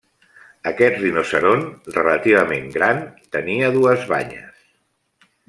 Aquest rinoceront relativament gran tenia dues banyes.